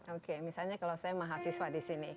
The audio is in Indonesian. oke misalnya kalau saya mahasiswa di sini